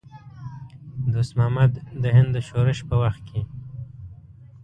دوست محمد د هند د شورش په وخت کې.